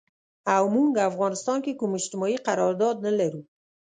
او مونږ افغانستان کې کوم اجتماعي قرارداد نه لرو